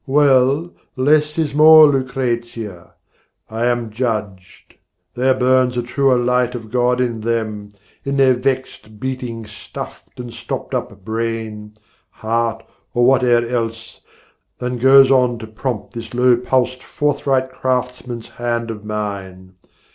Well, less is more, Lucrezia: I am judged. There burns a truer light of God in them, In their vexed beating stuffed and stopped up brain, Heart, or whate'er else, than goes on to prompt This low pulsed forthright craftsman's hand of mine.